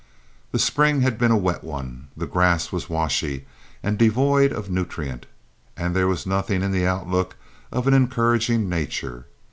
The spring had been a wet one, the grass was washy and devoid of nutriment, and there was nothing in the outlook of an encouraging nature.